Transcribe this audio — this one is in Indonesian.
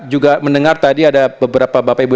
juga mendengar tadi ada beberapa bapak ibu